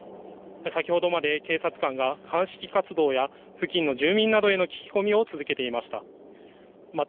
先ほどまで警察官が鑑識活動や付近の住民などへの聞き込みを続けていました。